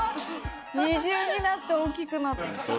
二重になっておっきくなってきた。